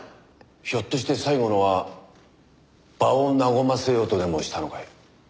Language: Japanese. ひょっとして最後のは場を和ませようとでもしたのかい？